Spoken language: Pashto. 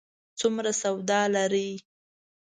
څومره سواد لري؟